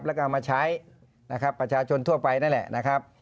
แล้วก็เอามาใช้ประชาชนทั่วไปนั่นแหละ